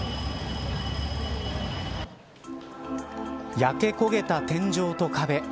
焼け焦げた天井と壁。